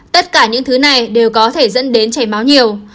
tất cả những thứ này đều có thể dẫn đến chảy máu nhiều